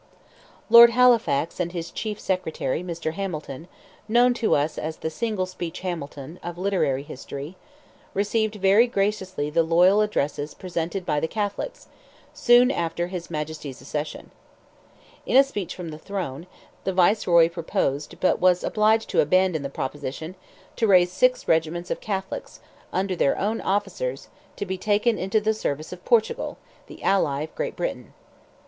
Lord Halifax, and his chief secretary, Mr. Hamilton (known to us as "the single speech Hamilton," of literary history), received very graciously the loyal addresses presented by the Catholics, soon after his Majesty's accession. In a speech from the throne, the Viceroy proposed, but was obliged to abandon the proposition, to raise six regiments of Catholics, under their own officers, to be taken into the service of Portugal, the ally of Great Britain.